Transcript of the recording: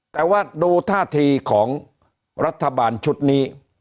แต่ว่าดูท่าทีของรัฐบาลชุดนี้